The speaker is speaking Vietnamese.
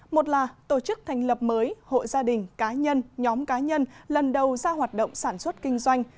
một là tổ chức thành lập mới hội gia đình cá nhân nhóm cá nhân lần đầu ra hoạt động sản xuất kinh doanh